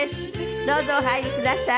どうぞお入りください。